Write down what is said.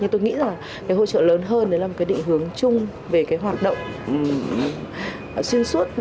nhưng tôi nghĩ là hỗ trợ lớn hơn là một định hướng chung về hoạt động xuyên suốt